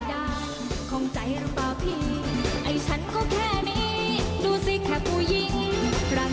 ด้านของใจหรือเปล่าพี่ไอ้ฉันก็แค่นี้ดูสิแค่ผู้หญิง